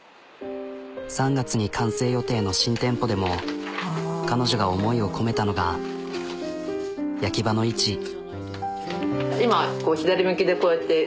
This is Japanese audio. ３月に完成予定の新店舗でも彼女が思いを込めたのが焼き場の位置。